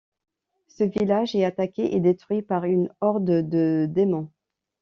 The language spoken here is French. Ce village est attaqué et détruit par une horde de démons.